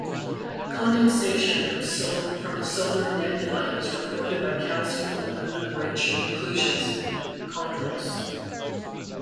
Condensation from the solar nebula is recorded by calcium-aluminium-rich inclusions and chondrules.